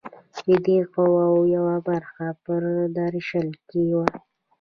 د دې قواوو یوه برخه په درشل کې وه.